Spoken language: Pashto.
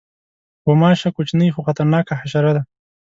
غوماشه کوچنۍ خو خطرناکه حشره ده.